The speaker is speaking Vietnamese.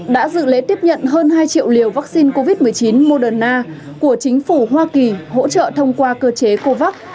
đã dự lễ tiếp nhận hơn hai triệu liều vaccine covid một mươi chín moderna của chính phủ hoa kỳ hỗ trợ thông qua cơ chế covax